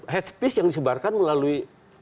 headspace yang disebarkan melalui